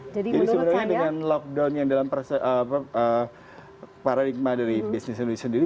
jadi sebenarnya dengan lockdown yang dalam paradigma dari bisnis indonesia sendiri